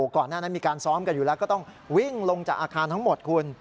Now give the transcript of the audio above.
ก่อนหน้านั้นมีการซ้อมกันอยู่แล้วก็ต้องวิ่งลงจากอาคารทั้งหมดคุณ